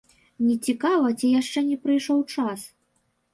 Нецікава ці яшчэ не прыйшоў час?